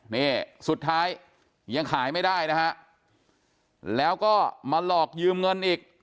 นี่สุดท้ายยังขายไม่ได้นะฮะแล้วก็มาหลอกยืมเงินอีก